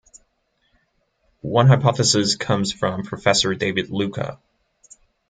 One hypothesis comes from Professor David Luka.